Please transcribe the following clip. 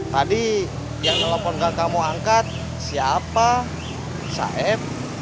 tadi yang telepon ke kamu angkat siapa saeb